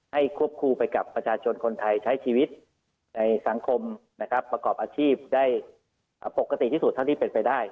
ควบคู่ไปกับประชาชนคนไทยใช้ชีวิตในสังคมนะครับประกอบอาชีพได้ปกติที่สุดเท่าที่เป็นไปได้